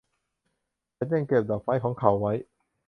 ฉันยังเก็บดอกไม้ของเขาไว้